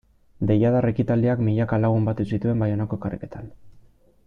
Deiadar ekitaldiak milaka lagun batu zituen Baionako karriketan.